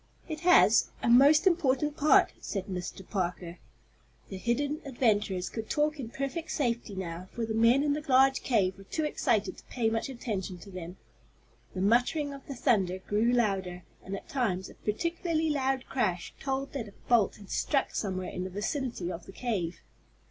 "It has a most important part," said Mr. Parker. The hidden adventurers could talk in perfect safety now, for the men in the large cave were too excited to pay much attention to them. The muttering of the thunder grew louder, and at times a particularly loud crash told that a bolt had struck somewhere in the vicinity of the cave.